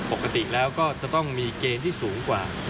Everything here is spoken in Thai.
ปกติแล้วก็จะต้องมีเกณฑ์ที่สูงกว่า